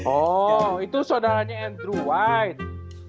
oh itu saudaranya andrew white